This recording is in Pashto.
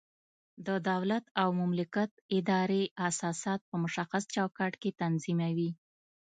د دولت او مملکت ادارې اساسات په مشخص چوکاټ کې تنظیموي.